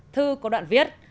thư có đoạn viết